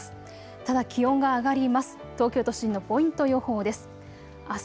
ただ気温が上がります。